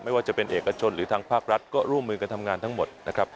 ไม่ว่าจะเป็นเอกชนหรือทางภาครัฐก็ร่วมมือกันทำงานทั้งหมดนะครับ